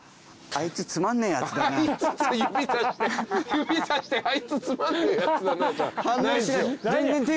指さして「あいつつまんねえやつだな」じゃない。